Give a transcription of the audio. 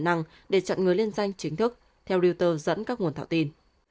năng để chặn người liên danh chính thức theo reuters dẫn các nguồn thạo tin